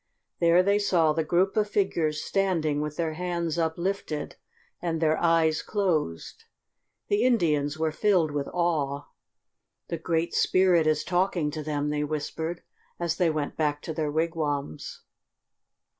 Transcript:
There they saw the group of figures standing with their hands uplifted, and their eyes closed. The Indians were filled with awe. "The Great Spirit is talking to them," they whispered, as they went back to their wigwams.